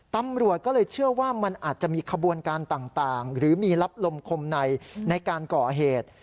ตำรวจก็เลยเชื่อว่ามันอาจจะมีขบวนการต่างหรือมีรับลมคมในในการก่อเหตุ